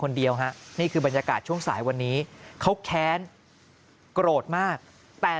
คนเดียวฮะนี่คือบรรยากาศช่วงสายวันนี้เขาแค้นโกรธมากแต่